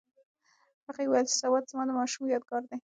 هغې وویل چې سوات زما د ماشومتوب یادګار دی.